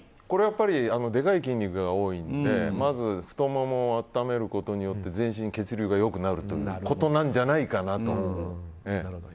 でかい筋肉が多いのでまず太ももを温めることによって全身血流がよくなるっていうことなんじゃないかなって。